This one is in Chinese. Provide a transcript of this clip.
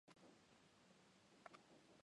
他在成化元年嗣封楚王。